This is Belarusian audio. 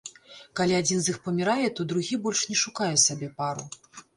Калі адзін з іх памірае, то другі больш не шукае сабе пару.